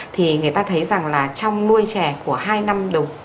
thì người ta thấy rằng là trong nuôi trè của hai năm đầu